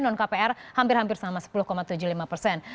non kpr hampir hampir sama sepuluh tujuh puluh lima persen